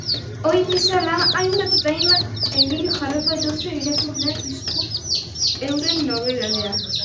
Ohi bezala, hainbat eta hainbat egilek jarriko dituzte irakurleen esku euren nobedadeak.